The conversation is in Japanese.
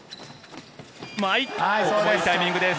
うまい、いいタイミングです。